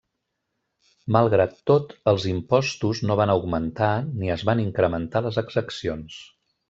Malgrat tot, els impostos no van augmentar ni es van incrementar les exaccions.